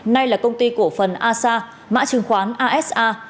nay là công ty cổ phần asa mã trường khoán asa